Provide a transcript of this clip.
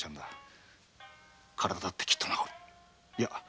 体だってきっと治るいや